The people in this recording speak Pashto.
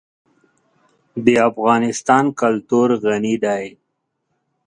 د افغانستان کلتور غني دی.